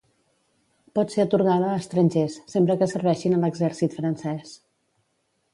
Pot ser atorgada a estrangers, sempre que serveixin a l'exèrcit francès.